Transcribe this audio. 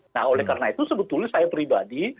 nah oleh karena itu sebetulnya saya pribadi